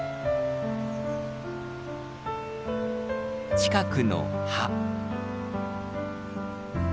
近くの葉。